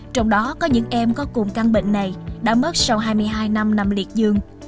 trong đó có những em có cùng căn bệnh này đã mất sau hai mươi hai năm nằm liệt dương